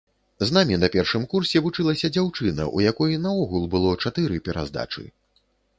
З намі на першым курсе вучылася дзяўчына, у якой наогул было чатыры пераздачы.